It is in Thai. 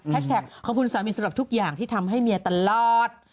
แท็กขอบคุณสามีสำหรับทุกอย่างที่ทำให้เมียตลอด